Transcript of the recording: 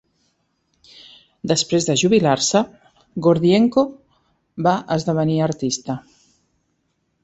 Després de jubilar-se, Gordienko va esdevenir artista.